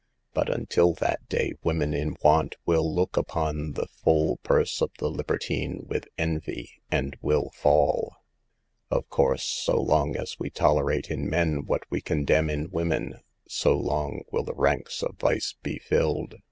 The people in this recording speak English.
But until that day women in want will look upon the full purse of the libertine with envy, and will fall. 240 SAVE THE GIKLS. Of course, so long as we tolerate in men what we condemn in women, so long will the ranks of vice be filled.